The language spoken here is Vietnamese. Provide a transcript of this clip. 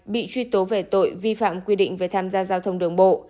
bị truy tố về tội vi phạm quy định về tham gia giao thông đường bộ